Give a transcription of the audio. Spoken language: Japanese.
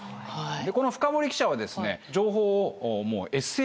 このフカボリ記者はですね。